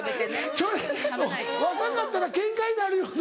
それ若かったらケンカになるよな。